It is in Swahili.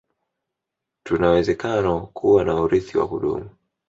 tunawezekano kuwa na urithi wa kudumu